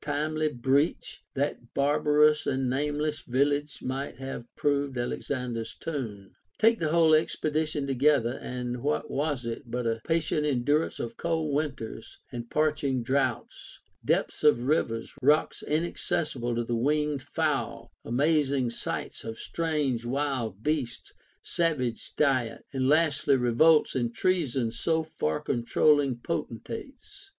477 timely breach, that barbarous and nameless village might have proved Alexander's tomb. 3. Take the whole expedition together, and what was it but a patient endurance of cold winters and parching droughts ; depths of rivers, rocks inaccessible to the winged fowl, amazing sights of strange wild beasts, sav age diet, and lastly revolts and treasons of far controlling potentates.